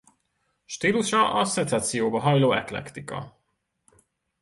Stílusa a szecesszióba hajló eklektika.